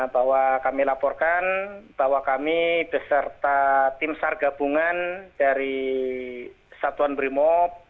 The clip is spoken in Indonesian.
bahwa kami laporkan bahwa kami beserta tim sar gabungan dari satuan brimob